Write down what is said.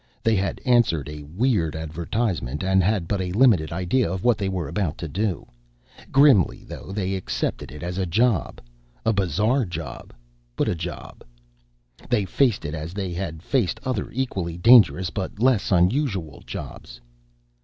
They had answered a weird advertisement, and had but a limited idea of what they were about to do. Grimly, though, they accepted it as a job, a bizarre job, but a job. They faced it as they had faced other equally dangerous, but less unusual, jobs.